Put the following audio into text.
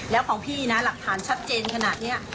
แล้วของพี่นะหลักฐานชัดเจนขนาดนี้